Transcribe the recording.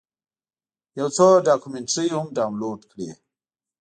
یو څو ډاکمنټرۍ هم ډاونلوډ کړې.